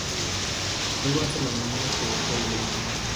Luego hace lo mismo que Hayley.